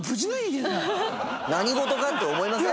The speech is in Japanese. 「何事か！」って思いません？